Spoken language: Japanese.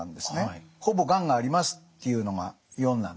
ほぼがんがありますっていうのが４なんです。